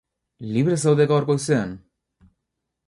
Libre zaude gaur goizean?